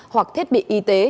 hoặc thiết bị y tế